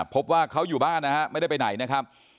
พบว่าเขาอยู่บ้านนะฮะไม่ได้ไปไหนนะครับ